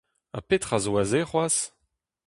Ha petra zo aze c'hoazh ?